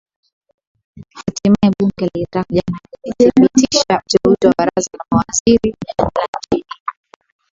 hatimaye bunge la iraq jana lilithibitisha uteuzi wa baraza la mawaziri la nchi hiyo